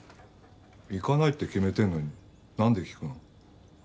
行かないって決めてるのになんで聞くの？